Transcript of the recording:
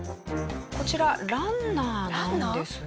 こちらランナーなんですが。